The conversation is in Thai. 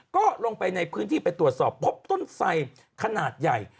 ก็ลงไปในพื้นที่ไปตรวจสอบพบต้นไสขนาดใหญ่